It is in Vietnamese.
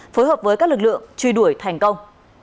phối hợp với các lực lượng truy đuổi thành công